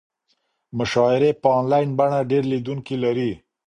مشاعرې په انلاین بڼه ډېر لیدونکي لري.